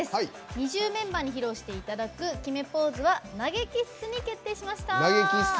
ＮｉｚｉＵメンバーに披露していただく決めポーズは投げキッスに決定いたしました。